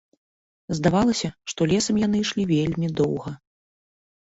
Здавалася, што лесам яны ішлі вельмі доўга.